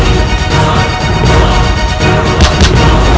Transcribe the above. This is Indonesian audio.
dia terlalu kuat